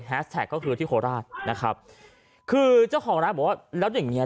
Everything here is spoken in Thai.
ก็คือที่โคราชนะครับคือเจ้าของร้านบอกว่าแล้วอย่างเงี้